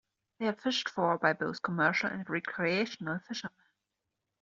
They are fished for by both commercial and recreational fishermen.